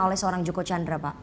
oleh seorang joko chandra pak